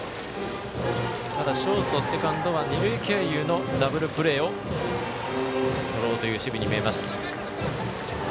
ただ、ショート、セカンドは二塁経由のダブルプレーをとろうという守備に見れます。